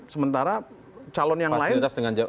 sementara calon yang lain